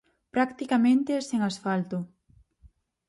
Practicamente sen asfalto.